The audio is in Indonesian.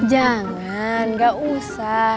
jangan ga usah